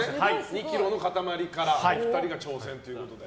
２ｋｇの塊からお二人で挑戦ということです。